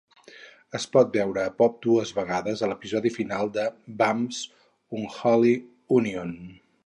Es pot veure a Pop dues vegades a l'episodi final de "Bam's Unholy Union".